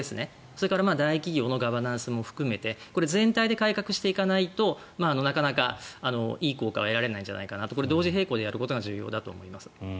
それから大企業のガバナンスも含めてこれ、全体で改革していかないとなかなかいい効果は得られないんじゃないかなとこれ、同時並行でやることが重要だと思います。